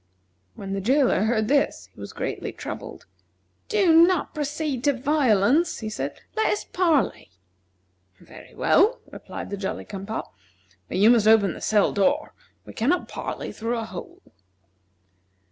When the jailer heard this, he was greatly troubled. "Do not proceed to violence," he said; "let us parley." "Very well," replied the Jolly cum pop, "but you must open the cell door. We cannot parley through a hole."